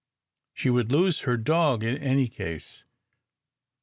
She would lose her dog in any case.